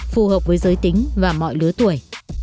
phù hợp với giới tính và mọi lứa tuổi